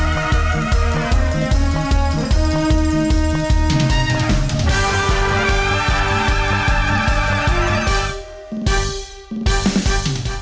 สวัสดีค่ะ